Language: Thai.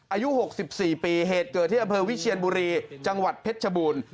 อายุ๖๔ปีเหตุเกิดที่อำเภอวิเชียนบุรีจังหวัดเพชรชบูรณ์